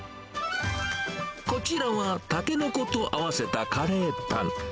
こちらはタケノコと合わせたカレーパン。